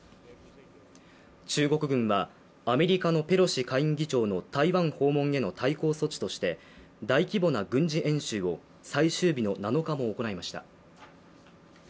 中国軍は、アメリカのペロシ下院議長の台湾訪問への対抗措置として大規模な軍事演習を最終日の７日も行いました。